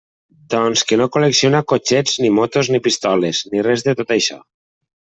Doncs que no col·lecciona cotxets, ni motos, ni pistoles, ni res de tot això.